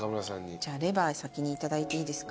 じゃあレバー先にいただいていいですか？